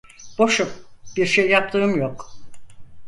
Boşum, bir şey yaptığım yok.